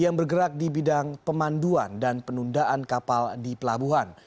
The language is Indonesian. yang bergerak di bidang pemanduan dan penundaan kapal di pelabuhan